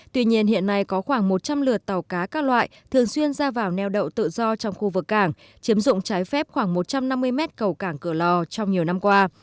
tuy nhiên hiện nay có khoảng một trăm linh lượt tàu cá các loại thường xuyên ra vào neo đậu tự do trong khu vực cảng chiếm dụng trái phép khoảng một trăm năm mươi mét cầu cảng cửa lò trong nhiều năm qua